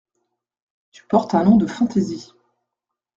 Tu portes un nom de fantaisie.